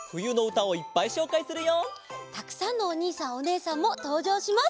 たくさんのおにいさんおねえさんもとうじょうします。